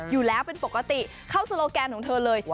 อยู่แล้วเป็นปกติเข้าโซโลแกนของเธอเลย